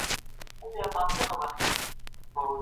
د جلال اباد په صنعت کي کارګران څه رول لري؟